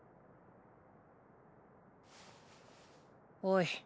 おい。